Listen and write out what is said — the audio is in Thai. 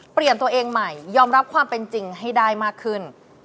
เปลี่ยนตัวเองใหม่ยอมรับความเป็นจริงให้ได้มากขึ้น